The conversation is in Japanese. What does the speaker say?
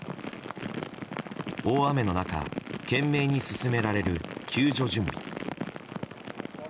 大雨の中懸命に進められる救助準備。